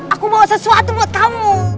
aku bawa sesuatu buat kamu